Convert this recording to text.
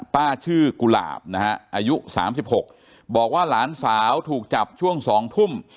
ป้าชื่อกุหลาบนะฮะอายุ๓๖บอกว่าหลานสาวถูกจับช่วง๒ทุ่ม